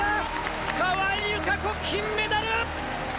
川井友香子、金メダル。